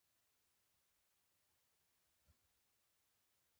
آزاد تجارت مهم دی ځکه چې درمل رسوي.